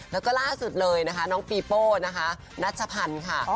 แล้วก็ล่าสุดเลยนะคะน้องปีโป้นะคะนัชพันธ์ค่ะ